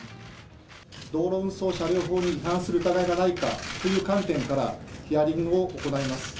道路運送法車両法に違反する疑いがないかという観点から、ヒアリングを行います。